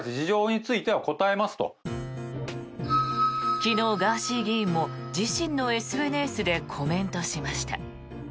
昨日、ガーシー議員も自身のＳＮＳでコメントしました。